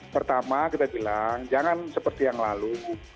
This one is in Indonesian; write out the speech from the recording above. pertama kita bilang jangan seperti yang lalu